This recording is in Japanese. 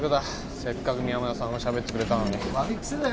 せっかく宮村さんがしゃべってくれたのに悪いクセだよ